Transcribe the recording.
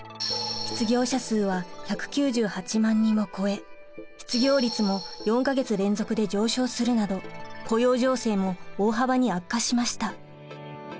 失業者数は１９８万人を超え失業率も４か月連続で上昇するなど雇用情勢も大幅に悪化しました。